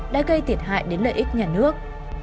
đã gây tiệt hại đến lợi ích nhà nước